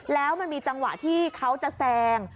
แล้วมันมีจังหวะที่เขาจะแซง